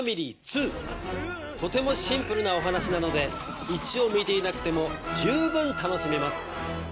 とてもシンプルなお話なので１を見ていなくても十分楽しめます。